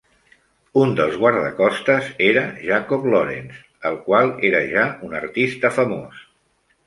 Un dels guardacostes era Jacob Lawrence, el qual era ja un artista famós.